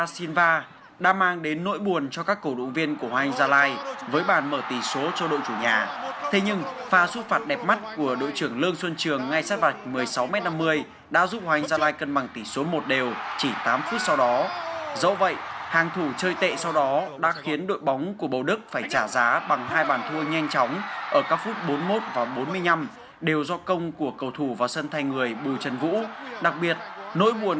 xin chào và hẹn gặp lại trong các video tiếp theo